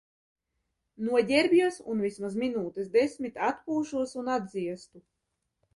Noģērbjos un vismaz minūtes desmit atpūšos un atdziestu.